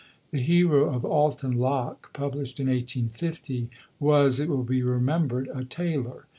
The hero of Alton Locke, published in 1850, was, it will be remembered, a tailor.